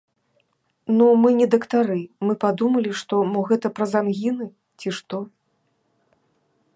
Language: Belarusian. Ну мы не дактары, мы падумалі, што мо гэта праз ангіны, ці што.